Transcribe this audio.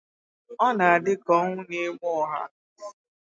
Ọ na-adị ka ọnwụ na-egbu ọhà